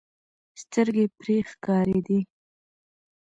سترګې پرې ښکارېدې.